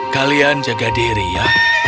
kalian jaga diri ya